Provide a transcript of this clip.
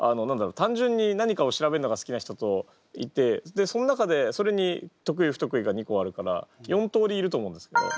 単純に何かを調べるのが好きな人といてでその中でそれに得意不得意が２個あるから４通りいると思うんですけど。